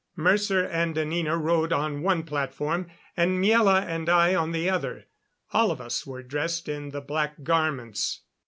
Mercer and Anina rode on one platform, and Miela and I on the other. All of us were dressed in the black garments.